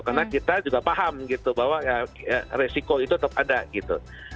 karena kita juga paham gitu bahwa ya resiko itu tetap ada gitu